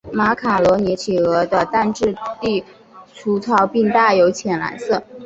马卡罗尼企鹅的蛋质地粗糙并带有浅蓝色。